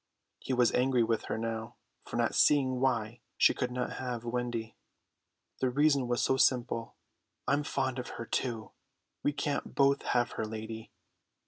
He was angry with her now for not seeing why she could not have Wendy. The reason was so simple: "I'm fond of her too. We can't both have her, lady."